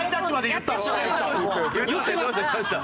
言ってました。